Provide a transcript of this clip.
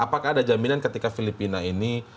apakah ada jaminan ketika filipina ini